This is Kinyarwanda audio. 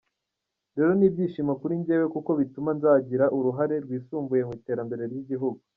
Rero ni ibyishimo kuri jyewe kuko bituma nzagira uruhare rwisumbuye mu iterambere ry’igihugu.